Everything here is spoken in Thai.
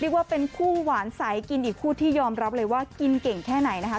ว่าเป็นคู่หวานใสกินอีกคู่ที่ยอมรับเลยว่ากินเก่งแค่ไหนนะคะ